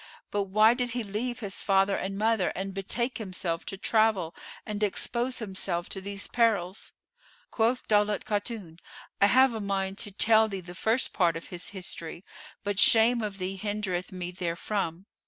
But why did he leave his father and mother and betake himself to travel and expose himself to these perils?" Quoth Daulat Khatun, "I have a mind to tell thee the first part of his history; but shame of thee hindereth me therefrom."